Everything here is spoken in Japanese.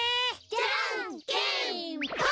じゃんけんぽん！